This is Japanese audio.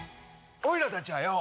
おいらたちはよ